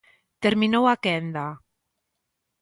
Terminou a quenda.